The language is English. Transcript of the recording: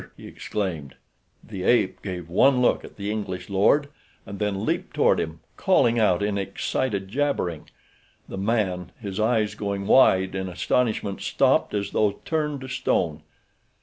he exclaimed. The ape gave one look at the English lord, and then leaped toward him, calling out in excited jabbering. The man, his eyes going wide in astonishment, stopped as though turned to stone.